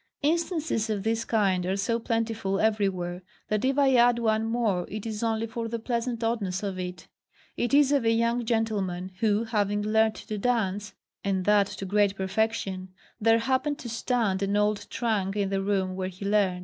Instances of this kind are so plentiful everywhere, that if I add one more, it is only for the pleasant oddness of it. It is of a young gentleman, who, having learnt to dance, and that to great perfection, there happened to stand an old trunk in the room where he learnt.